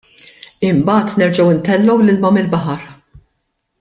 Imbagħad nerġgħu ntellgħu l-ilma mill-baħar.